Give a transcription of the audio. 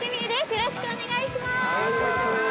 よろしくお願いします。